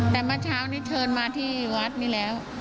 แต่เมื่อเช้านี้เชิญมาที่วัดนี้แล้ว